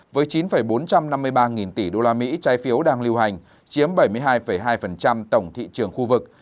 với chín bốn trăm năm mươi ba nghìn tỷ usd trái phiếu đang lưu hành chiếm bảy mươi hai hai tổng thị trường khu vực